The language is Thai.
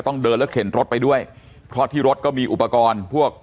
เดินแล้วเข็นรถไปด้วยเพราะที่รถก็มีอุปกรณ์พวก